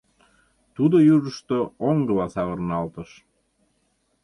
Тудо южышто оҥгыла савырналтыш.